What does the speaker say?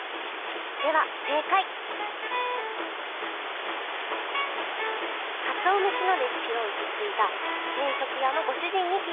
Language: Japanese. では正解かつお飯のレシピを受け継いだ定食屋のご主人に聞いてみます